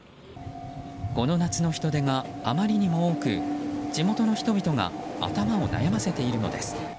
この夏の人出があまりにも多く地元の人々が頭を悩ませているのです。